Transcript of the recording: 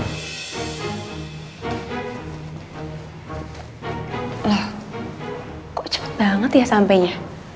lah kok cepet banget ya sampenya